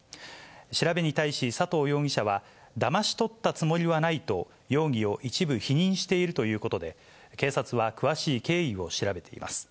調べに対し佐藤容疑者は、だまし取ったつもりはないと、容疑を一部否認しているということで、警察は詳しい経緯を調べています。